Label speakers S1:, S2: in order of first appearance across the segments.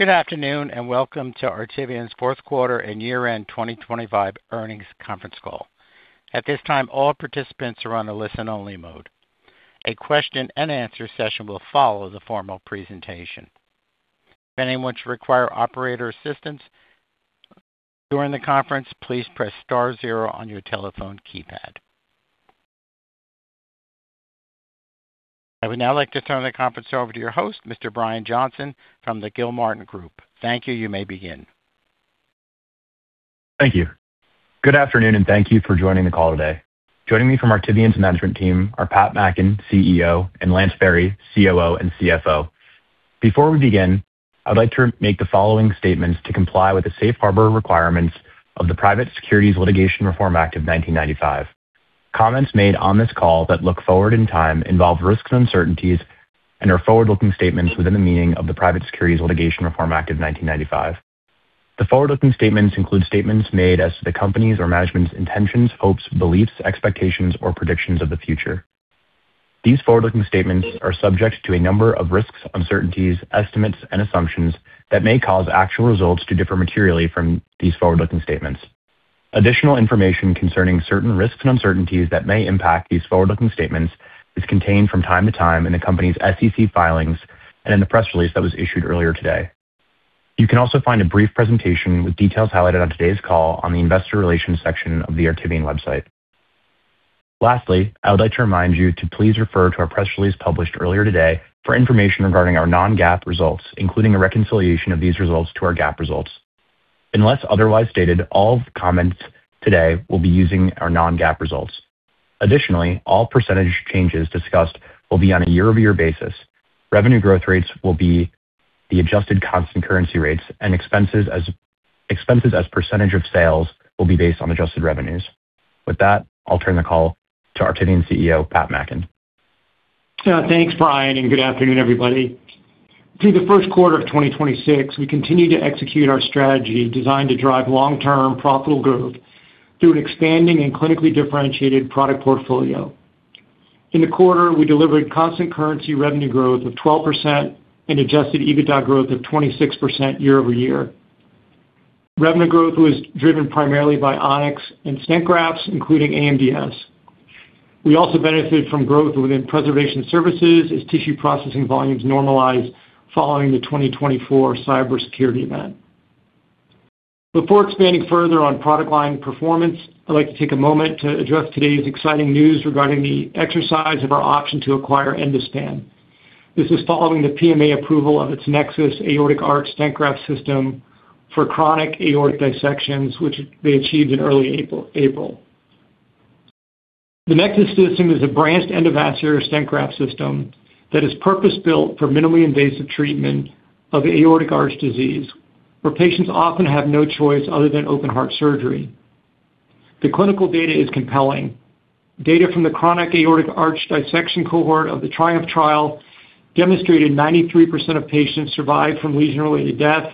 S1: Good afternoon. Welcome to Artivion's Fourth Quarter and Year-End 2025 Earnings Conference Call. At this time, all participants are on a listen-only mode. A question and answer session will follow the formal presentation. If anyone should require operator assistance during the conference, please press star zero on your telephone keypad. I would now like to turn the conference over to your host, Mr. Brian Johnston from the Gilmartin Group. Thank you. You may begin.
S2: Thank you. Good afternoon, and thank you for joining the call today. Joining me from Artivion's management team are Pat Mackin, CEO, and Lance Berry, COO and CFO. Before we begin, I would like to make the following statements to comply with the safe harbor requirements of the Private Securities Litigation Reform Act of 1995. Comments made on this call that look forward in time involve risks and uncertainties and are forward-looking statements within the meaning of the Private Securities Litigation Reform Act of 1995. The forward-looking statements include statements made as to the company's or management's intentions, hopes, beliefs, expectations, or predictions of the future. These forward-looking statements are subject to a number of risks, uncertainties, estimates, and assumptions that may cause actual results to differ materially from these forward-looking statements. Additional information concerning certain risks and uncertainties that may impact these forward-looking statements is contained from time to time in the company's SEC filings and in the press release that was issued earlier today. You can also find a brief presentation with details highlighted on today's call on the investor relations section of the Artivion website. Lastly, I would like to remind you to please refer to our press release published earlier today for information regarding our non-GAAP results, including a reconciliation of these results to our GAAP results. Unless otherwise stated, all comments today will be using our non-GAAP results. All percentage changes discussed will be on a year-over-year basis. Revenue growth rates will be the adjusted constant currency rates and expenses as percentage of sales will be based on adjusted revenues. With that, I'll turn the call to Artivion CEO, Pat Mackin.
S3: Thanks, Brian, and good afternoon, everybody. Through the first quarter of 2026, we continued to execute our strategy designed to drive long-term profitable growth through an expanding and clinically differentiated product portfolio. In the quarter, we delivered constant currency revenue growth of 12% and adjusted EBITDA growth of 26% year-over-year. Revenue growth was driven primarily by On-X and stent grafts, including AMDS. We also benefited from growth within preservation services as tissue processing volumes normalized following the 2024 cybersecurity event. Before expanding further on product line performance, I'd like to take a moment to address today's exciting news regarding the exercise of our option to acquire Endospan. This is following the PMA approval of its NEXUS Aortic Arch Stent Graft system for chronic aortic dissections, which they achieved in early April. The NEXUS system is a branched endovascular stent graft system that is purpose-built for minimally invasive treatment of aortic arch disease, where patients often have no choice other than open heart surgery. The clinical data is compelling. Data from the chronic aortic arch dissection cohort of the TRIOMPHE trial demonstrated 93% of patients survived from lesion-related death,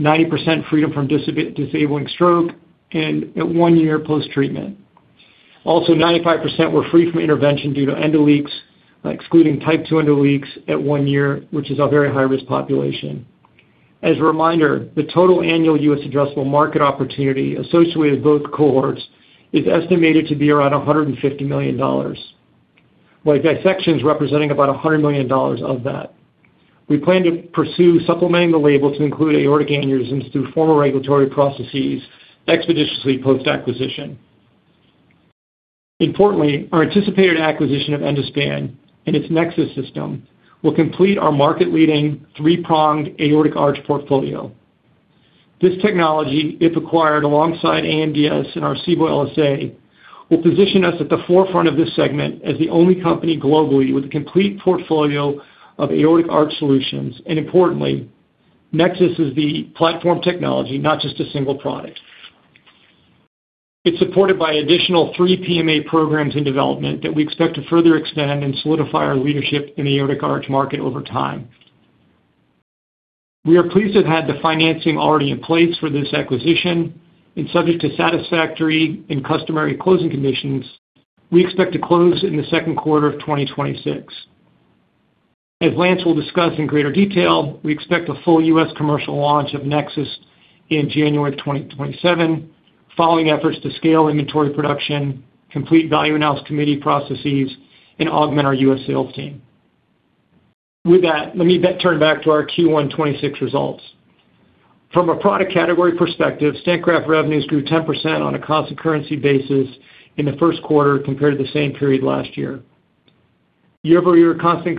S3: 90% freedom from disabling stroke and at one-year post-treatment. 95% were free from intervention due to endoleaks, excluding type II endoleaks at one year, which is a very high-risk population. As a reminder, the total annual U.S. addressable market opportunity associated with both cohorts is estimated to be around $150 million, with dissections representing about $100 million of that. We plan to pursue supplementing the label to include aortic aneurysms through formal regulatory processes expeditiously post-acquisition. Importantly, our anticipated acquisition of Endospan and its NEXUS system will complete our market-leading three-pronged aortic arch portfolio. This technology, if acquired alongside AMDS and our Arcevo LSA, will position us at the forefront of this segment as the only company globally with a complete portfolio of aortic arch solutions. Importantly, NEXUS is the platform technology, not just a single product. It's supported by additional three PMA programs in development that we expect to further extend and solidify our leadership in the aortic arch market over time. We are pleased to have had the financing already in place for this acquisition, and subject to satisfactory and customary closing conditions, we expect to close in the second quarter of 2026. As Lance will discuss in greater detail, we expect a full U.S. commercial launch of NEXUS in January of 2027 following efforts to scale inventory production, complete value analysis committee processes, and augment our U.S. sales team. With that, let me then turn back to our Q1 2026 results. From a product category perspective, stent graft revenues grew 10% on a constant currency basis in the first quarter compared to the same period last year. Year over year constant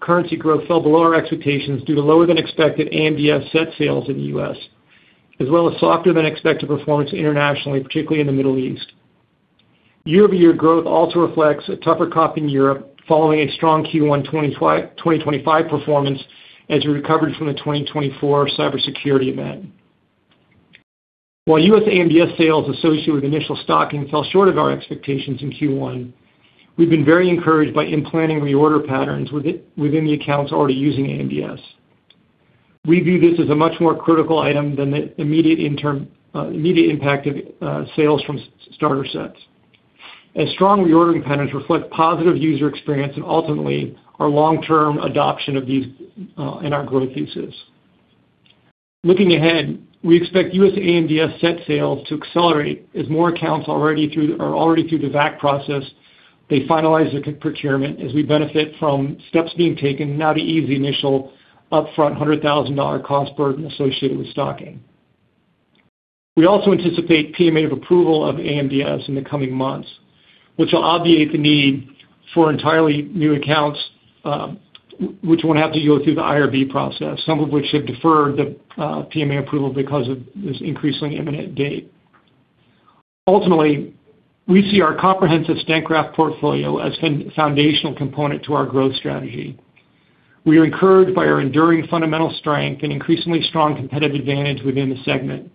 S3: currency growth fell below our expectations due to lower than expected AMDS set sales in the U.S., as well as softer than expected performance internationally, particularly in the Middle East. Year-over-year growth also reflects a tougher comp in Europe following a strong Q1 2025 performance as we recovered from the 2024 cybersecurity event. While U.S. AMDS sales associated with initial stocking fell short of our expectations in Q1, we've been very encouraged by implant and reorder patterns within the accounts already using AMDS. We view this as a much more critical item than the immediate impact of sales from starter sets. Strong reordering patterns reflect positive user experience and ultimately our long-term adoption of these in our growth thesis. Looking ahead, we expect U.S. AMDS set sales to accelerate as more accounts are already through the VAC process. They finalize the procurement as we benefit from steps being taken now to ease the initial upfront $100,000 cost burden associated with stocking. We also anticipate PMA of approval of AMDS in the coming months, which will obviate the need for entirely new accounts, which won't have to go through the IRB process, some of which have deferred the PMA approval because of this increasingly imminent date. Ultimately, we see our comprehensive stent graft portfolio as foundational component to our growth strategy. We are encouraged by our enduring fundamental strength and increasingly strong competitive advantage within the segment.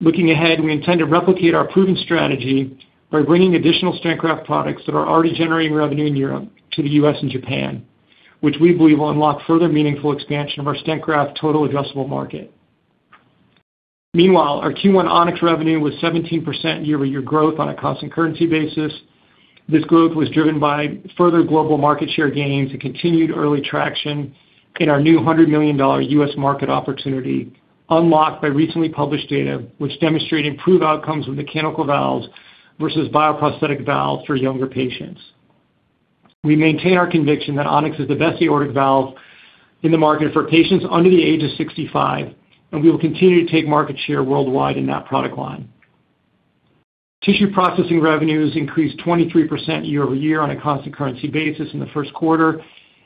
S3: Looking ahead, we intend to replicate our proven strategy by bringing additional stent graft products that are already generating revenue in Europe to the U.S. and Japan, which we believe will unlock further meaningful expansion of our stent graft total addressable market. Meanwhile, our Q1 On-X revenue was 17% year-over-year growth on a constant currency basis. This growth was driven by further global market share gains and continued early traction in our new $100 million U.S. market opportunity unlocked by recently published data which demonstrate improved outcomes with mechanical valves versus bioprosthetic valves for younger patients. We maintain our conviction that On-X is the best aortic valve in the market for patients under the age of 65, and we will continue to take market share worldwide in that product line. Tissue processing revenues increased 23% year-over-year on a constant currency basis in the first quarter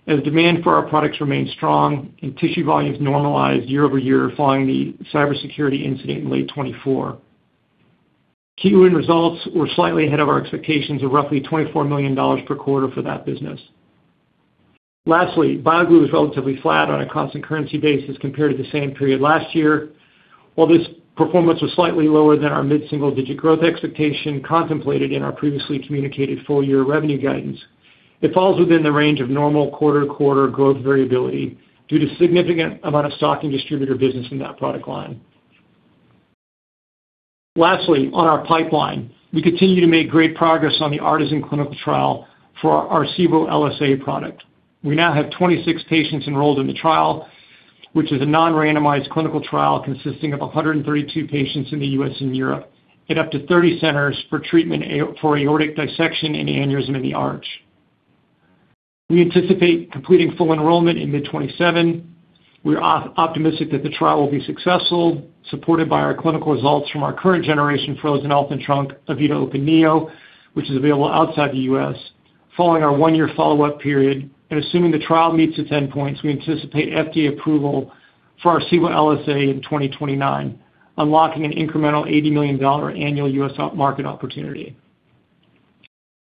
S3: as demand for our products remained strong and tissue volumes normalized year-over-year following the cybersecurity incident in late 2024. Q1 results were slightly ahead of our expectations of roughly $24 million per quarter for that business. Lastly, BioGlue was relatively flat on a constant currency basis compared to the same period last year. While this performance was slightly lower than our mid-single-digit growth expectation contemplated in our previously communicated full-year revenue guidance, it falls within the range of normal quarter-to-quarter growth variability due to significant amount of stock and distributor business in that product line. On our pipeline, we continue to make great progress on the ARTIZEN clinical trial for our Arcevo LSA product. We now have 26 patients enrolled in the trial, which is a non-randomized clinical trial consisting of 132 patients in the U.S. and Europe at up to 30 centers for treatment for aortic dissection and the aneurysm in the arch. We anticipate completing full enrollment in mid 2027. We are optimistic that the trial will be successful, supported by our clinical results from our current generation frozen elephant trunk, E-vita Open Neo, which is available outside the U.S. following our one-year follow-up period. Assuming the trial meets its endpoints, we anticipate FDA approval for Arcevo LSA in 2029, unlocking an incremental $80 million annual U.S. market opportunity.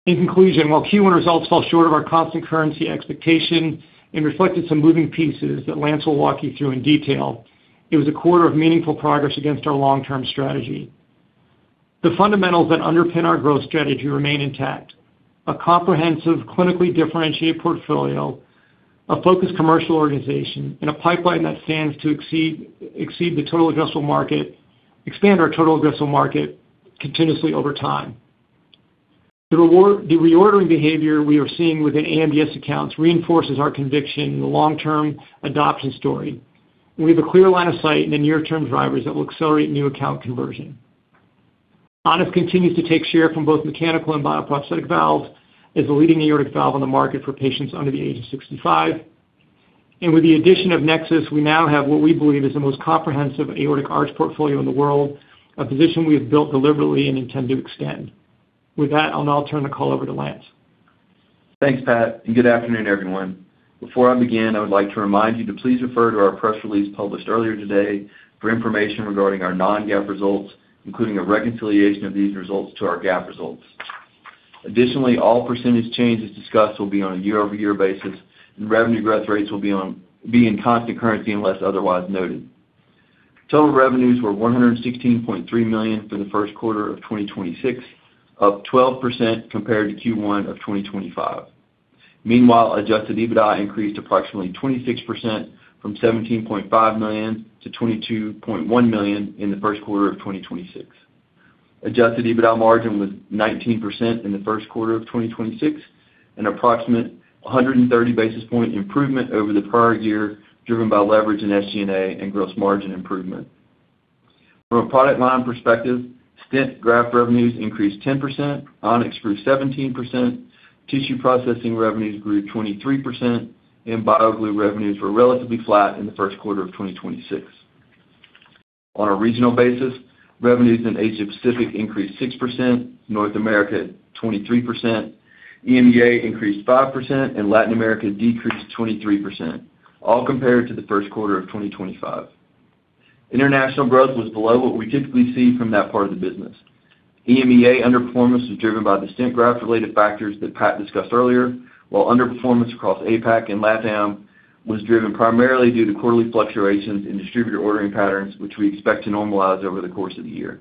S3: In conclusion, while Q1 results fell short of our constant currency expectation and reflected some moving pieces that Lance will walk you through in detail, it was a quarter of meaningful progress against our long-term strategy. The fundamentals that underpin our growth strategy remain intact. A comprehensive, clinically differentiated portfolio, a focused commercial organization, and a pipeline that stands to exceed expand our total addressable market continuously over time. The reordering behavior we are seeing within AMDS accounts reinforces our conviction in the long-term adoption story. We have a clear line of sight in the near-term drivers that will accelerate new account conversion. On-X continues to take share from both mechanical and bioprosthetic valves as the leading aortic valve on the market for patients under the age of 65. With the addition of NEXUS, we now have what we believe is the most comprehensive aortic arch portfolio in the world, a position we have built deliberately and intend to extend. With that, I'll now turn the call over to Lance.
S4: Thanks, Pat. Good afternoon, everyone. Before I begin, I would like to remind you to please refer to our press release published earlier today for information regarding our non-GAAP results, including a reconciliation of these results to our GAAP results. Additionally, all percentage changes discussed will be on a year-over-year basis, and revenue growth rates will be in constant currency unless otherwise noted. Total revenues were $116.3 million for the first quarter of 2026, up 12% compared to Q1 of 2025. Meanwhile, adjusted EBITDA increased approximately 26% from $17.5 million to $22.1 million in the first quarter of 2026. Adjusted EBITDA margin was 19% in the first quarter of 2026, an approximate 130 basis point improvement over the prior year, driven by leverage in SG&A and gross margin improvement. From a product line perspective, stent graft revenues increased 10%, On-X grew 17%, tissue processing revenues grew 23%, and BioGlue revenues were relatively flat in the first quarter of 2026. On a regional basis, revenues in Asia Pacific increased 6%, North America 23%, EMEA increased 5%, and Latin America decreased 23%, all compared to the first quarter of 2025. International growth was below what we typically see from that part of the business. EMEA underperformance was driven by the stent graft-related factors that Pat discussed earlier, while underperformance across APAC and LATAM was driven primarily due to quarterly fluctuations in distributor ordering patterns, which we expect to normalize over the course of the year.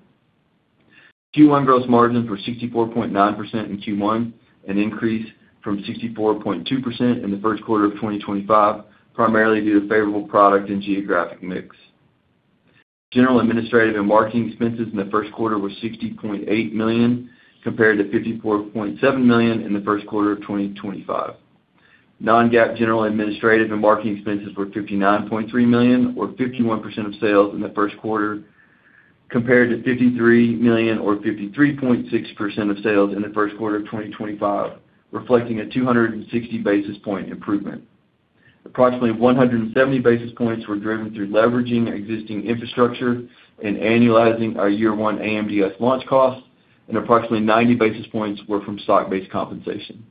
S4: Q1 gross margin for 64.9% in Q1, an increase from 64.2% in the first quarter of 2025, primarily due to favorable product and geographic mix. General administrative and marketing expenses in the first quarter were $60.8 million compared to $54.7 million in the first quarter of 2025. Non-GAAP general administrative and marketing expenses were $59.3 million, or 51% of sales in the first quarter, compared to $53 million or 53.6% of sales in the first quarter of 2025, reflecting a 260 basis point improvement. Approximately 170 basis points were driven through leveraging existing infrastructure and annualizing our year one AMDS launch costs, and approximately 90 basis points were from stock-based compensation.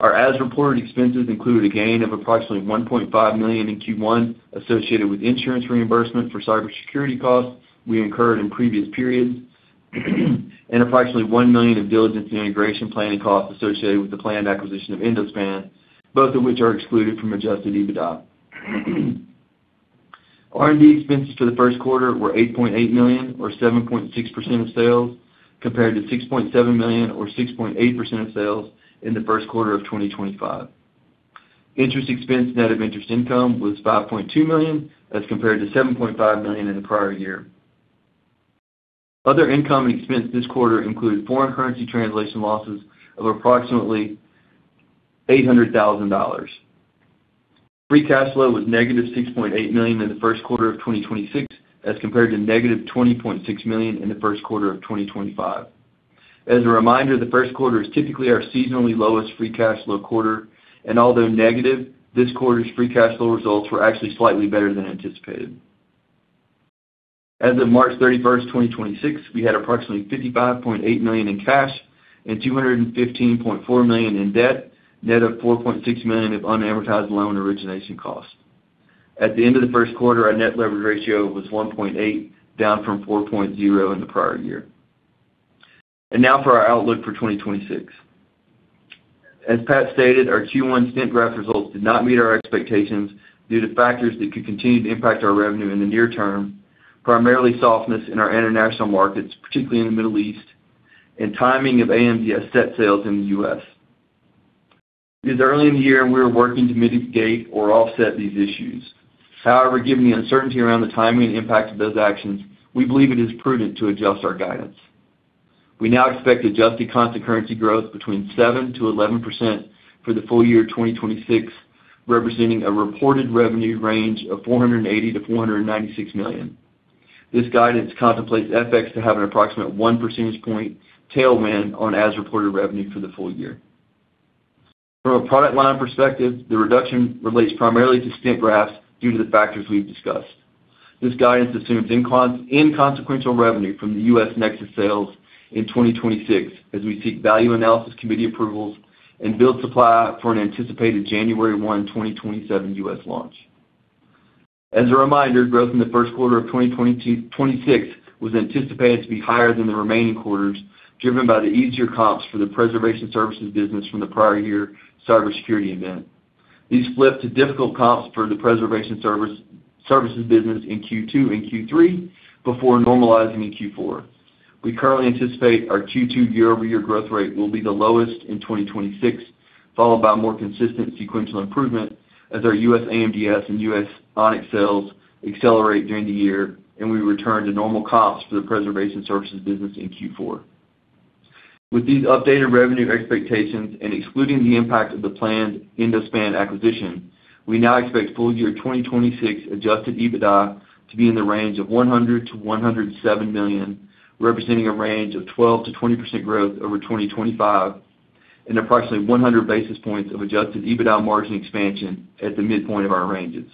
S4: Our as-reported expenses included a gain of approximately $1.5 million in Q1 associated with insurance reimbursement for cybersecurity costs we incurred in previous periods and approximately $1 million of diligence and integration planning costs associated with the planned acquisition of Endospan, both of which are excluded from adjusted EBITDA. R&D expenses for the first quarter were $8.8 million, or 7.6% of sales, compared to $6.7 million or 6.8% of sales in the first quarter of 2025. Interest expense net of interest income was $5.2 million, as compared to $7.5 million in the prior year. Other income and expense this quarter include foreign currency translation losses of approximately $800,000. Free cash flow was -$6.8 million in the first quarter of 2026 as compared to -$20.6 million in the first quarter of 2025. As a reminder, the first quarter is typically our seasonally lowest free cash flow quarter, and although negative, this quarter's free cash flow results were actually slightly better than anticipated. As of March 31st, 2026, we had approximately $55.8 million in cash and $215.4 million in debt, net of $4.6 million of unamortized loan origination costs. At the end of the first quarter, our net leverage ratio was 1.8, down from 4.0 in the prior year. Now for our outlook for 2026. As Pat stated, our Q1 stent graft results did not meet our expectations due to factors that could continue to impact our revenue in the near term, primarily softness in our international markets, particularly in the Middle East and timing of AMDS set sales in the U.S. It is early in the year, and we are working to mitigate or offset these issues. However, given the uncertainty around the timing and impact of those actions, we believe it is prudent to adjust our guidance. We now expect adjusted constant currency growth between 7% to 11% for the full year 2026, representing a reported revenue range of $480 million-$496 million. This guidance contemplates FX to have an approximate 1 percentage point tailwind on as-reported revenue for the full year. From a product line perspective, the reduction relates primarily to stent grafts due to the factors we've discussed. This guidance assumes inconsequential revenue from the U.S. NEXUS sales in 2026 as we seek Value Analysis Committee approvals and build supply for an anticipated January 1, 2027 U.S. launch. As a reminder, growth in the first quarter of 2026 was anticipated to be higher than the remaining quarters, driven by the easier comps for the preservation services business from the prior year cybersecurity event. These flipped to difficult comps for the preservation services business in Q2 and Q3 before normalizing in Q4. We currently anticipate our Q2 year-over-year growth rate will be the lowest in 2026, followed by more consistent sequential improvement as our U.S. AMDS and U.S. On-X sales accelerate during the year and we return to normal comps for the preservation services business in Q4. With these updated revenue expectations and excluding the impact of the planned Endospan acquisition, we now expect full year 2026 adjusted EBITDA to be in the range of $100 million-$107 million, representing a range of 12%-20% growth over 2025 and approximately 100 basis points of adjusted EBITDA margin expansion at the midpoint of our ranges.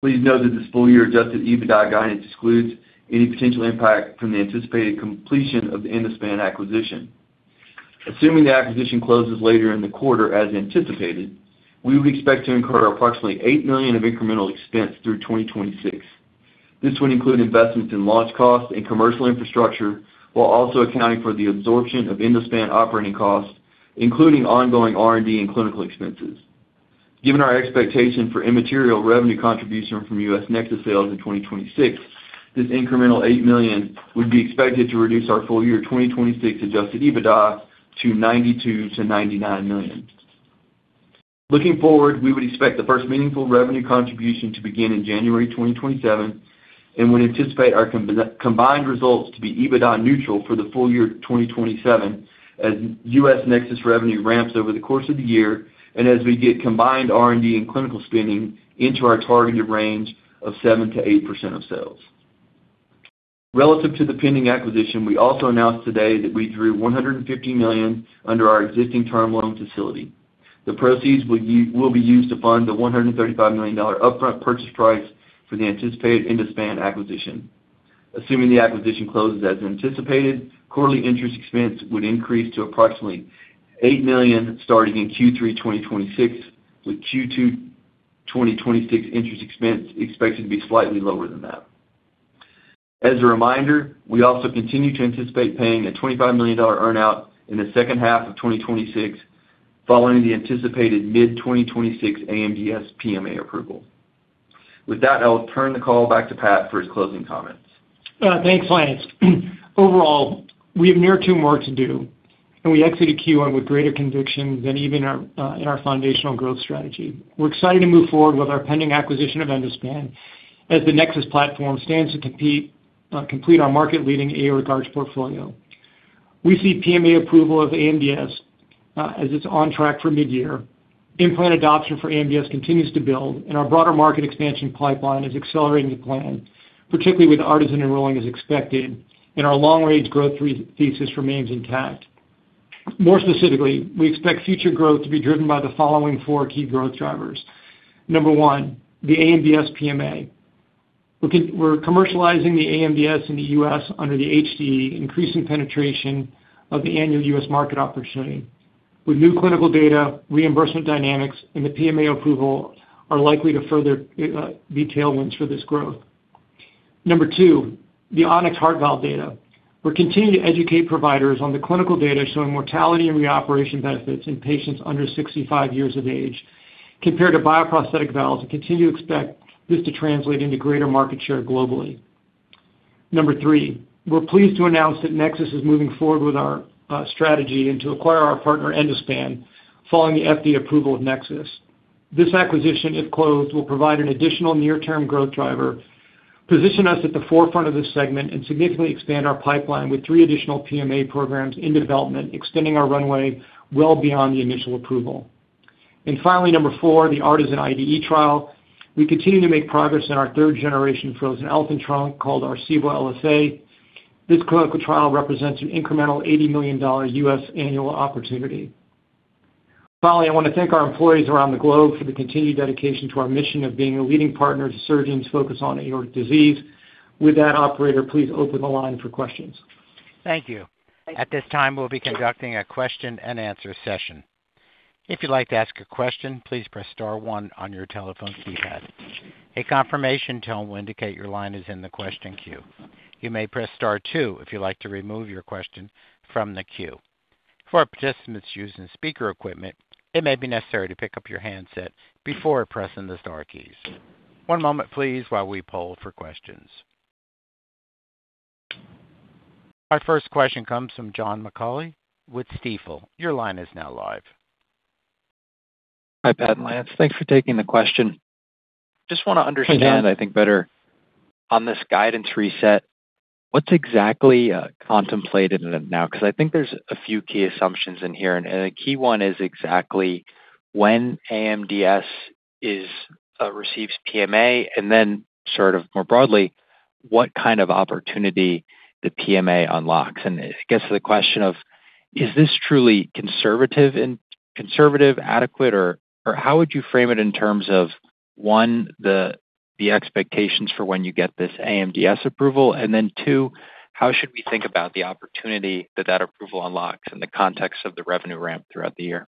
S4: Please note that this full year adjusted EBITDA guidance excludes any potential impact from the anticipated completion of the Endospan acquisition. Assuming the acquisition closes later in the quarter as anticipated, we would expect to incur approximately $8 million of incremental expense through 2026. This would include investments in launch costs and commercial infrastructure while also accounting for the absorption of Endospan operating costs, including ongoing R&D and clinical expenses. Given our expectation for immaterial revenue contribution from U.S. NEXUS sales in 2026, this incremental $8 million would be expected to reduce our full year 2026 adjusted EBITDA to $92 million-$99 million. Looking forward, we would expect the first meaningful revenue contribution to begin in January 2027 and would anticipate our combined results to be EBITDA neutral for the full year 2027 as U.S. NEXUS revenue ramps over the course of the year and as we get combined R&D and clinical spending into our targeted range of 7%-8% of sales. Relative to the pending acquisition, we also announced today that we drew $150 million under our existing term loan facility. The proceeds will be used to fund the $135 million upfront purchase price for the anticipated Endospan acquisition. Assuming the acquisition closes as anticipated, quarterly interest expense would increase to approximately $8 million starting in Q3 2026, with Q2 2026 interest expense expected to be slightly lower than that. As a reminder, we also continue to anticipate paying a $25 million earn-out in the second half of 2026 following the anticipated mid-2026 AMDS PMA approval. With that, I'll turn the call back to Pat for his closing comments.
S3: Thanks, Lance. Overall, we have near-term work to do. We exited Q1 with greater conviction than even our in our foundational growth strategy. We're excited to move forward with our pending acquisition of Endospan as the NEXUS platform stands to complete our market-leading aortic arch portfolio. We see PMA approval of AMDS as it's on track for mid-year. Implant adoption for AMDS continues to build. Our broader market expansion pipeline is accelerating to plan, particularly with ARTIZEN enrolling as expected. Our long-range growth re-thesis remains intact. More specifically, we expect future growth to be driven by the following four key growth drivers. Number one, the AMDS PMA. We're commercializing the AMDS in the U.S. under the HDE, increasing penetration of the annual U.S. market opportunity. With new clinical data, reimbursement dynamics, and the PMA approval are likely to further be tailwinds for this growth. Number two, the On-X Heart Valve data. We're continuing to educate providers on the clinical data showing mortality and reoperation benefits in patients under 65 years of age compared to bioprosthetic valves and continue to expect this to translate into greater market share globally. Number three, we're pleased to announce that NEXUS is moving forward with our strategy and to acquire our partner Endospan following the FDA approval of NEXUS. This acquisition, if closed, will provide an additional near-term growth driver, position us at the forefront of this segment, and significantly expand our pipeline with three additional PMA programs in development, extending our runway well beyond the initial approval. Finally, number four, the ARTIZEN IDE trial. We continue to make progress in our third-generation frozen elephant trunk called Arcevo LSA. This clinical trial represents an incremental $80 million U.S. annual opportunity. Finally, I want to thank our employees around the globe for the continued dedication to our mission of being a leading partner to surgeons focused on aortic disease. With that, operator, please open the line for questions.
S1: Thank you. At this time, we will be conducting a question-and-answer session. If you would like to ask a question, please press star one on your telephone keypad. A confirmation tone will indicate your line is in the question queue. You may press star two if you would like to remove your question from the queue. For participants using speaker equipment, it may be necessary to pick up your handset before pressing the star keys. One moment, please, while we poll for questions. Our first question comes from John McAulay with Stifel. Your line is now live.
S5: Hi, Pat and Lance. Thanks for taking the question. Just want to understand, I think, better on this guidance reset. What's exactly contemplated in it now? I think there's a few key assumptions in here, a key one is exactly when AMDS receives PMA, then sort of more broadly, what kind of opportunity the PMA unlocks. It gets to the question of, is this truly conservative, adequate, or how would you frame it in terms of, one, the expectations for when you get this AMDS approval, then two, how should we think about the opportunity that that approval unlocks in the context of the revenue ramp throughout the year?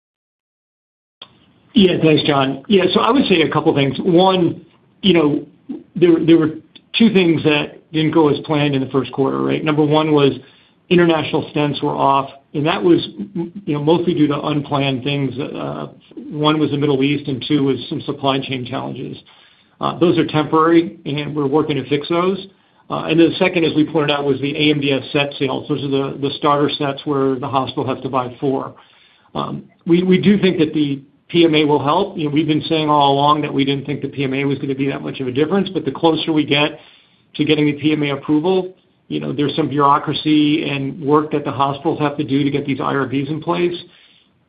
S3: Thanks, John. I would say a couple things. One, there were two things that didn't go as planned in the first quarter, right. Number one was international stents were off, and that was mostly due to unplanned things. One was the Middle East, and two was some supply chain challenges. Those are temporary, and we're working to fix those. The second, as we pointed out, was the AMDS set sales. Those are the starter sets where the hospital has to buy for. We do think that the PMA will help. You know, we've been saying all along that we didn't think the PMA was going to be that much of a difference, but the closer we get to getting the PMA approval, you know, there's some bureaucracy and work that the hospitals have to do to get these IRBs in place.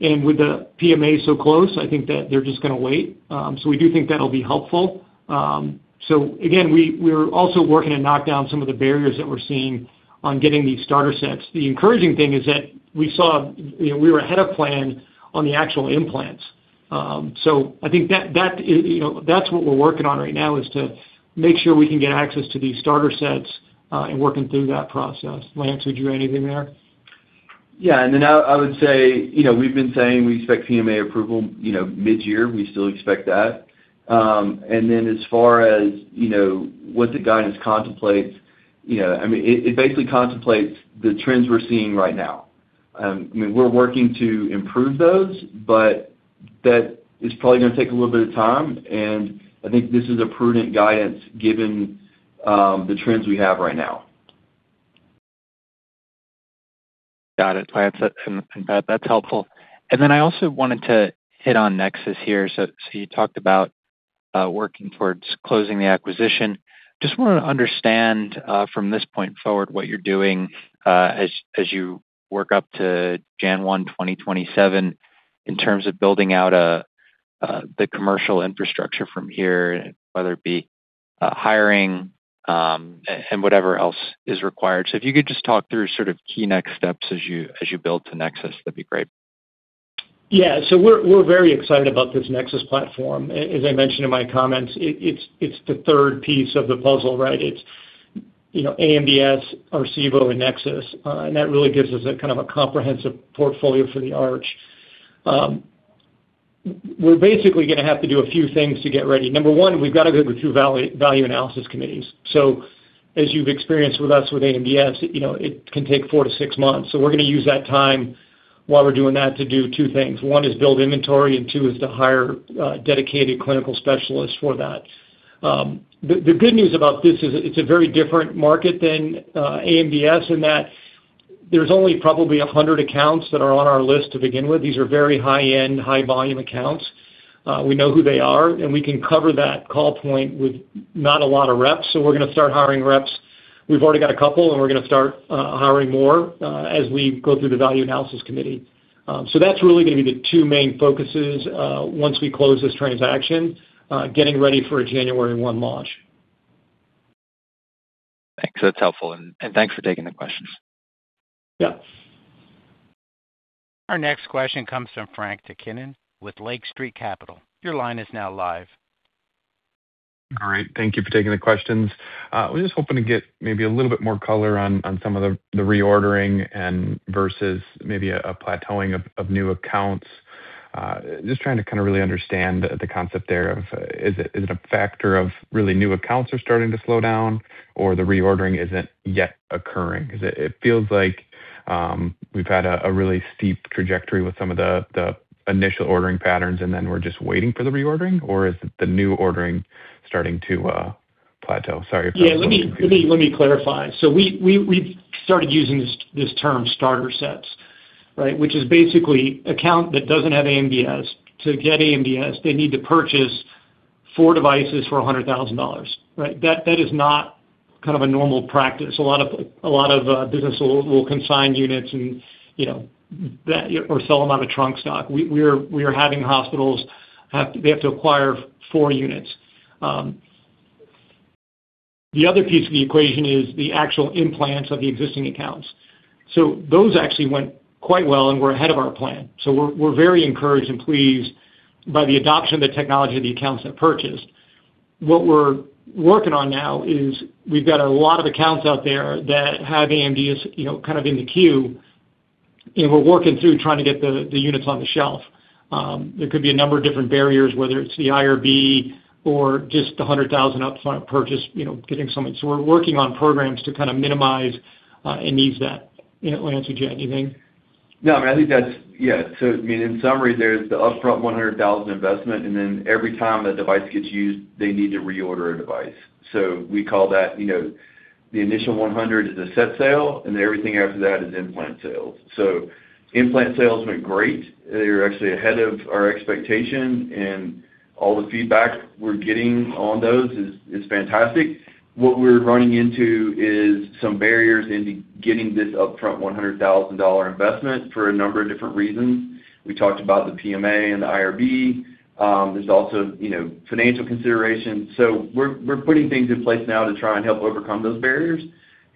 S3: With the PMA so close, I think that they're just going to wait. We do think that'll be helpful. Again, we're also working to knock down some of the barriers that we're seeing on getting these starter sets. The encouraging thing is that we saw, you know, we were ahead of plan on the actual implants. I think that is, you know, that's what we're working on right now is to make sure we can get access to these starter sets and working through that process. Lance, would you add anything there?
S4: Yeah. I would say, you know, we've been saying we expect PMA approval, you know, mid-year. We still expect that. As far as, you know, what the guidance contemplates, you know, I mean, it basically contemplates the trends we're seeing right now. I mean, we're working to improve those, but that is probably gonna take a little bit of time, and I think this is a prudent guidance given, the trends we have right now.
S5: Got it, Lance and Pat. That's helpful. I also wanted to hit on NEXUS here. You talked about working towards closing the acquisition. Just want to understand from this point forward what you're doing as you work up to January 1, 2027 in terms of building out the commercial infrastructure from here, whether it be hiring and whatever else is required. If you could just talk through sort of key next steps as you build to NEXUS, that'd be great.
S3: We're very excited about this NEXUS platform. As I mentioned in my comments, it's the third piece of the puzzle, right? It's, you know, AMDS, Arcevo, and NEXUS. That really gives us a kind of a comprehensive portfolio for the arch. We're basically gonna have to do a few things to get ready. Number one, we've got to go through value analysis committees. As you've experienced with us with AMDS, you know, it can take four to six months. We're gonna use that time while we're doing that to do two things. One is build inventory, and two is to hire dedicated clinical specialists for that. The good news about this is it's a very different market than AMDS in that there's only probably a hundred accounts that are on our list to begin with. These are very high-end, high-volume accounts. We know who they are, and we can cover that call point with not a lot of reps. We're gonna start hiring reps. We've already got a couple, and we're gonna start hiring more as we go through the value analysis committee. That's really gonna be the two main focuses once we close this transaction, getting ready for a January 1 launch.
S5: Thanks. That's helpful. Thanks for taking the questions.
S3: Yeah.
S1: Our next question comes from Frank Takkinen with Lake Street Capital. Your line is now live.
S6: All right. Thank you for taking the questions. I was just hoping to get maybe a little bit more color on some of the reordering and versus maybe a plateauing of new accounts. I was just trying to kinda really understand the concept there of, is it a factor of really new accounts are starting to slow down or the reordering isn't yet occurring? 'Cause it feels like we've had a really steep trajectory with some of the initial ordering patterns, and then we're just waiting for the reordering, or is the new ordering starting to plateau? Sorry if that was a little confusing.
S3: Yeah. Let me clarify. We've started using this term starter sets, right? Which is basically account that doesn't have AMDS. To get AMDS, they need to purchase four devices for $100,000, right? That is not kind of a normal practice. A lot of businesses will consign units and, you know, that or sell them out of trunk stock. We are having hospitals have they have to acquire four units. The other piece of the equation is the actual implants of the existing accounts. Those actually went quite well, and we're ahead of our plan. We're very encouraged and pleased by the adoption of the technology the accounts have purchased. What we're working on now is we've got a lot of accounts out there that have AMDS, you know, kind of in the queue, and we're working through trying to get the units on the shelf. There could be a number of different barriers, whether it's the IRB or just the $100,000 upfront purchase, you know, getting something. We're working on programs to kind of minimize any of that. You know, Lance, would you add anything?
S4: No, I mean, I think that's Yeah. I mean, in summary, there's the upfront $100,000 investment, and then every time a device gets used, they need to reorder a device. We call that, you know, the initial 100 is a set sale, and everything after that is implant sales. Implant sales went great. They're actually ahead of our expectation, and all the feedback we're getting on those is fantastic. What we're running into is some barriers into getting this upfront $100,000 investment for a number of different reasons. We talked about the PMA and the IRB. There's also, you know, financial considerations. We're putting things in place now to try and help overcome those barriers,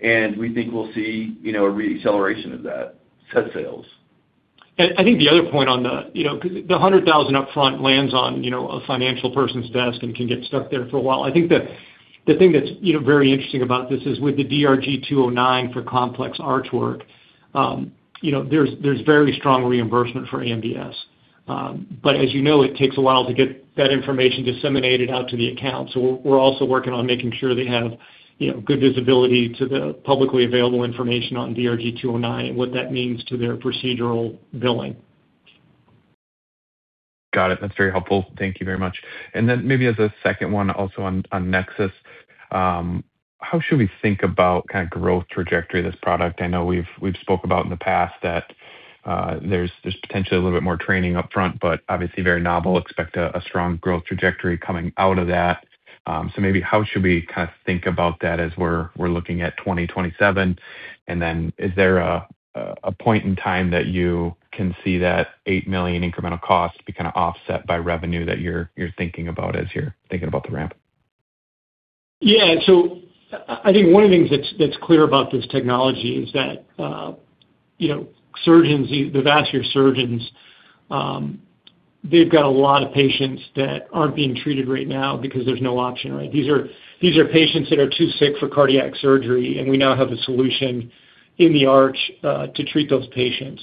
S4: and we think we'll see, you know, a re-acceleration of that set sales.
S3: I think the other point on the, you know, 'cause the $100,000 upfront lands on, you know, a financial person's desk and can get stuck there for a while. I think the thing that's, you know, very interesting about this is with the DRG 209 for complex arch work, you know, there's very strong reimbursement for AMDS. As you know, it takes a while to get that information disseminated out to the account. We're also working on making sure they have, you know, good visibility to the publicly available information on DRG 209 and what that means to their procedural billing.
S6: Got it. That's very helpful. Thank you very much. Maybe as a second one also on NEXUS, how should we think about kind of growth trajectory of this product? I know we've spoke about in the past that there's potentially a little bit more training upfront, but obviously very novel, expect a strong growth trajectory coming out of that. Maybe how should we kind of think about that as we're looking at 2027? Is there a point in time that you can see that $8 million incremental cost be kinda offset by revenue that you're thinking about as you're thinking about the ramp?
S3: Yeah. I think one of the things that's clear about this technology is that, you know, surgeons, the vascular surgeons, they've got a lot of patients that aren't being treated right now because there's no option, right? These are patients that are too sick for cardiac surgery, and we now have a solution in the arch to treat those patients.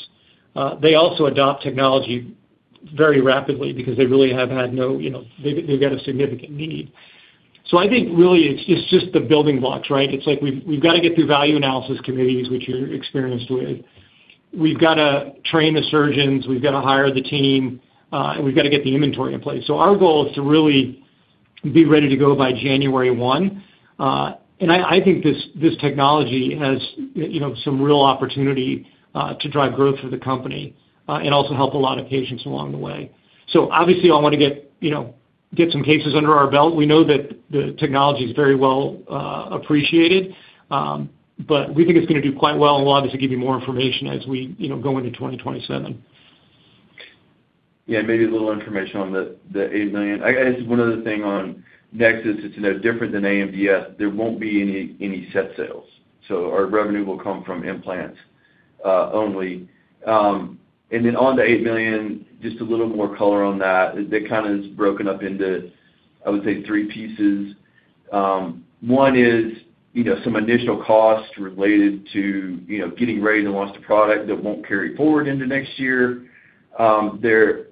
S3: They also adopt technology very rapidly because they really have had no you know they've got a significant need. I think really it's just the building blocks, right? It's like we've gotta get through value analysis committees, which you're experienced with. We've gotta train the surgeons. We've gotta hire the team, and we've gotta get the inventory in place. Our goal is to really be ready to go by January 1. I think this technology has, you know, some real opportunity to drive growth for the company and also help a lot of patients along the way. Obviously I wanna get some cases under our belt. We know that the technology is very well appreciated. We think it's gonna do quite well, and we'll obviously give you more information as we, you know, go into 2027.
S4: Yeah, maybe a little information on the $8 million. I guess one other thing on NEXUS is, you know, different than AMDS, there won't be any set sales. Our revenue will come from implants only. On the $8 million, just a little more color on that that kinda is broken up into, I would say, three pieces. One is, you know, some additional costs related to, you know, getting ready to launch the product that won't carry forward into next year. There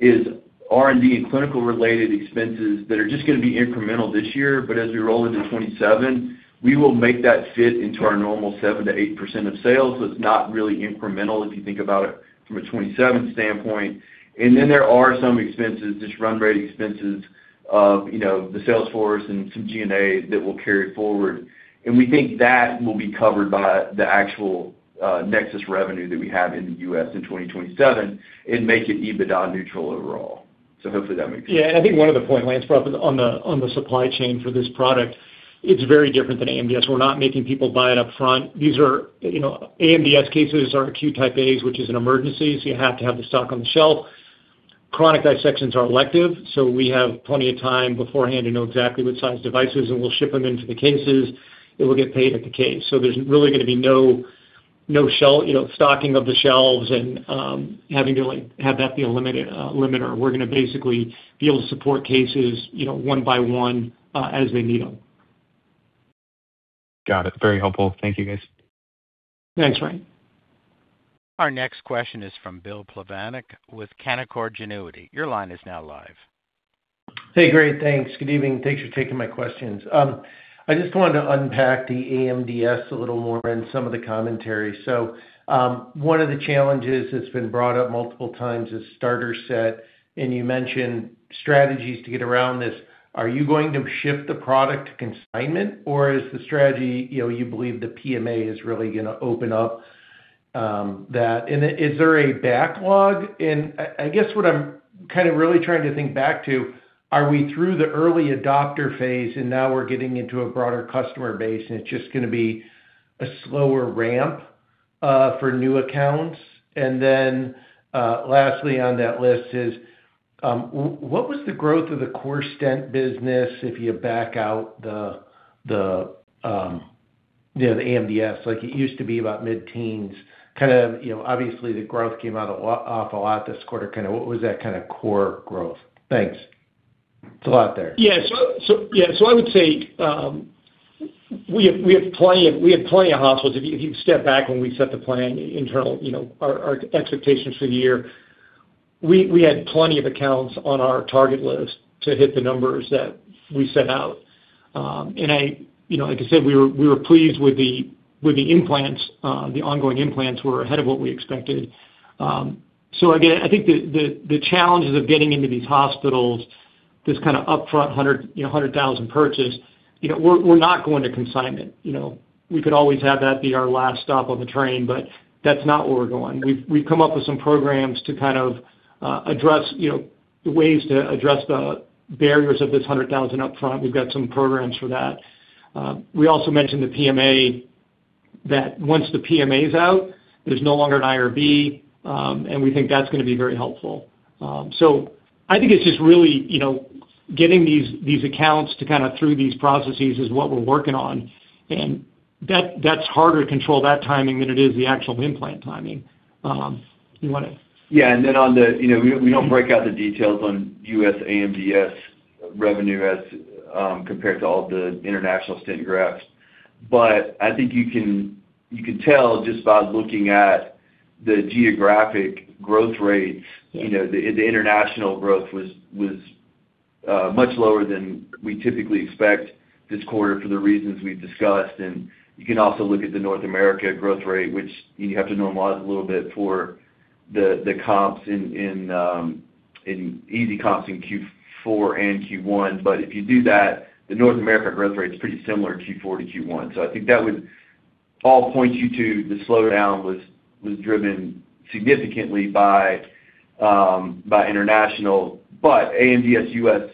S4: is R&D and clinical related expenses that are just going to be incremental this year. As we roll into 2027, we will make that fit into our normal 7% to 8% of sales, so it's not really incremental if you think about it from a 2027 standpoint. There are some expenses, just run rate expenses of, you know, the sales force and some G&A that will carry forward. We think that will be covered by the actual, NEXUS revenue that we have in the U.S. in 2027 and make it EBITDA neutral overall. Hopefully that makes sense.
S3: Yeah. I think one other point, Lance, probably on the supply chain for this product, it's very different than AMDS. We're not making people buy it upfront. These are, you know, AMDS cases are acute type As, which is an emergency, so you have to have the stock on the shelf. Chronic dissections are elective, so we have plenty of time beforehand to know exactly what size devices, and we'll ship them into the cases, and we'll get paid at the case. There's really gonna be no stocking of the shelves and having to, like, have that be a limited limiter. We're gonna basically be able to support cases, you know, one by one, as they need them.
S6: Got it. Very helpful. Thank you, guys.
S3: Thanks, Frank.
S1: Our next question is from Bill Plovanic with Canaccord Genuity. Your line is now live.
S7: Hey, great. Thanks. Good evening. Thanks for taking my questions. I just wanted to unpack the AMDS a little more and some of the commentary. One of the challenges that's been brought up multiple times is starter set, and you mentioned strategies to get around this. Are you going to ship the product to consignment, or is the strategy, you know, you believe the PMA is really gonna open up that? Is there a backlog? I guess what I'm kind of really trying to think back to, are we through the early adopter phase and now we're getting into a broader customer base and it's just gonna be a slower ramp for new accounts? Lastly on that list is, what was the growth of the core stent business if you back out the, you know, the AMDS? Like, it used to be about mid-teens, kind of, you know, obviously, the growth came out off a lot this quarter. Kind of what was that kind of core growth? Thanks. It's a lot there.
S3: I would say, we have plenty of hospitals. If you step back when we set the plan internal, you know, our expectations for the year, we had plenty of accounts on our target list to hit the numbers that we set out. I, you know, like I said, we were pleased with the implants. The ongoing implants were ahead of what we expected. Again, I think the challenges of getting into these hospitals, this kind of upfront $100,000 purchase, you know, we're not going to consignment, you know. We could always have that be our last stop on the train, but that's not where we're going. We've come up with some programs to kind of address, you know, the ways to address the barriers of this $100,000 upfront. We've got some programs for that. We also mentioned the PMA, that once the PMA is out, there's no longer an IRB, and we think that's gonna be very helpful. I think it's just really, you know, getting these accounts to kind of through these processes is what we're working on. That's harder to control that timing than it is the actual implant timing. You wanna?
S4: Yeah. on the, you know, we don't break out the details on U.S. AMDS revenue as compared to all the international stent grafts. I think you can tell just by looking at the geographic growth rates.
S3: Yeah.
S4: You know, the international growth was much lower than we typically expect this quarter for the reasons we've discussed. You can also look at the North America growth rate, which you have to normalize a little bit for the comps in easy comps in Q4 and Q1. If you do that, the North America growth rate is pretty similar Q4 to Q1. I think that would all point you to the slowdown was driven significantly by international. AMDS U.S.